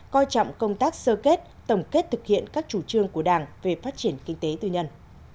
coi trọng công tác sơ kết tổng kết thực hiện các chủ trương của đảng về phát triển kinh tế tư nhân